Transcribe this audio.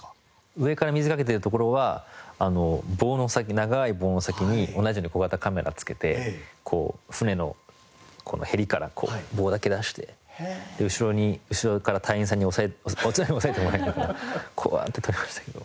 上から水かけてるところは長い棒の先に同じように小型カメラ付けて船のへりからこう棒だけ出して後ろから隊員さんに押さえてもらいながらこうやって撮りましたけど。